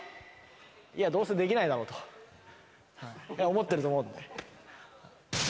いや、どうせできないだろうと思ってると思うので。